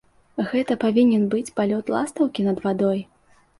Гэта павінен быць палёт ластаўкі над вадой.